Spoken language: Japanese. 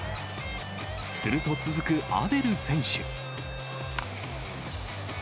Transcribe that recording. すると続くアデル選手。